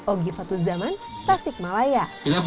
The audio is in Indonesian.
ogit fatuzaman tasik malaya